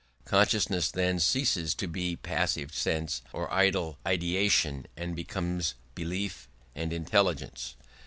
Consciousness then ceases to be passive sense or idle ideation and becomes belief and intelligence.